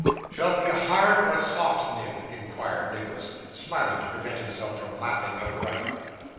'Shall it be a hard or a soft nib?' inquired Nicholas, smiling to prevent himself from laughing outright.